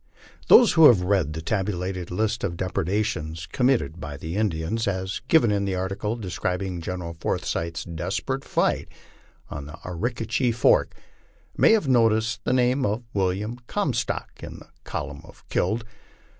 Those who have read the tabulated list of depredations committed by the Indians, as given in the article describing General Forsyth's desperate fight on Arickaree Fork, may have noticed the name of William Comstock in the col umn of killed.